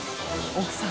奥さん！